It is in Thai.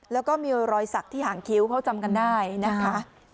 แล้วก็มีรอยสักที่หางคิ้วเขาจำกันได้นะคะ